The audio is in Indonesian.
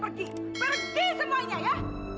pergi semuanya ya